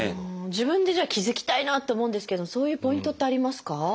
自分でじゃあ気付きたいなって思うんですけどそういうポイントってありますか？